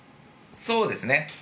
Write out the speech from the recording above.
そうですね。